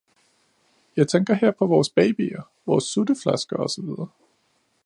Jeg tænker her på vores babyer, vores sutteflasker osv.